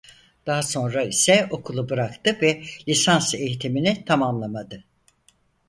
Daha sonra ise okulu bıraktı ve lisans eğitimini tamamlamadı.